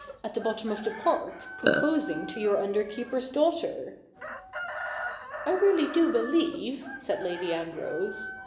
at the bottom of the park, proposing to your under keeper's daughter.' ' I really do believe/ said Lady Ambrose.